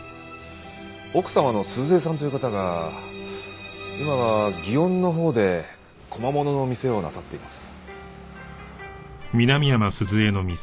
奥様の鈴江さんという方が今は園のほうで小間物の店をなさっています。